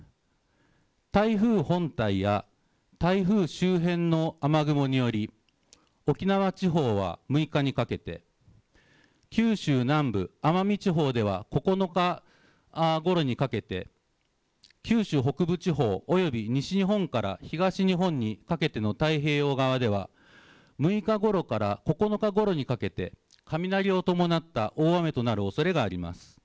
台風本体や台風周辺の雨雲により沖縄地方は６日にかけて、九州南部、奄美地方では９日ごろにかけて、九州北部地方および西日本から東日本にかけての太平洋側は６日ごろから９日ごろにかけて雷を伴った大雨となるおそれがあります。